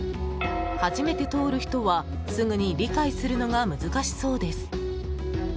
初めて通る人はすぐに理解するのが難しそうです。